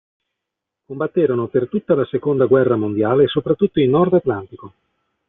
Combatterono per tutta la Seconda guerra mondiale, soprattutto in Nord Atlantico.